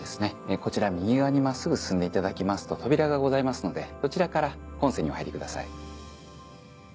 こちら右側に真っすぐ進んでいただきますと扉がございますのでそちらから今世にお入りください。